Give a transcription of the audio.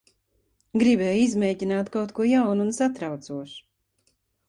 Gribēju izmēģināt kaut ko jaunu un satraucošu.